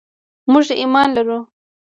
موږ ایمان لرو.